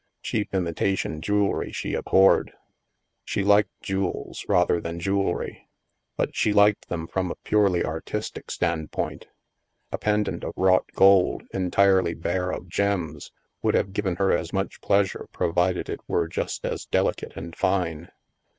Cheap imitation jewelry she ab horred. She liked jewels, rather than jewelry, but she liked them from a purely artistic standpoint. A pendant of wrought gold, entirely bare of gems, would have given her as much pleasure, provided it were just as delicate and fine.